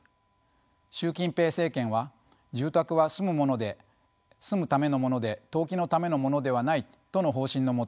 習近平政権は「住宅は住むためのもので投機のためのものではない」との方針の下